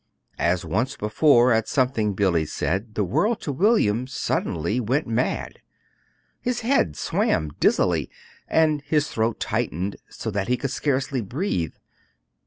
As once before at something Billy said, the world to William went suddenly mad. His head swam dizzily, and his throat tightened so that he could scarcely breathe.